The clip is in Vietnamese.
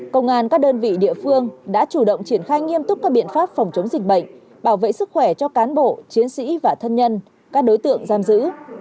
công an các đơn vị địa phương đã chủ động triển khai nghiêm túc các biện pháp phòng chống dịch bệnh bảo vệ sức khỏe cho cán bộ chiến sĩ và thân nhân các đối tượng giam giữ